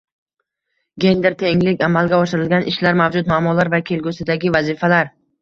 Gender tenglik: amalga oshirilgan ishlar, mavjud muammolar va kelgusidagi vazifalar